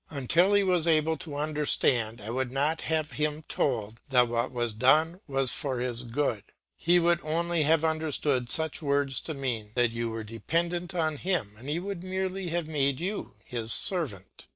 Until he was able to understand I would not have him told that what was done was for his good; he would only have understood such words to mean that you were dependent on him and he would merely have made you his servant.